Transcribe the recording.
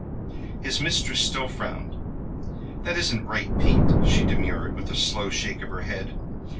His mistress still frowned. "That isn't right, Pete," she demurred, with a slow shake of her head.